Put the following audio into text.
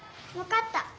わかった。